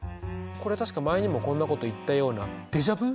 これ確か前にもこんなこと言ったようなデジャブ？